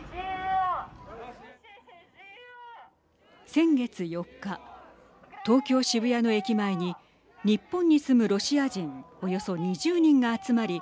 先月４日東京、渋谷の駅前に日本に住むロシア人およそ２０人が集まり